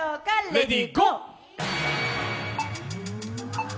レディーゴー！